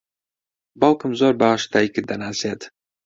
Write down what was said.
باوکم زۆر باش دایکت دەناسێت.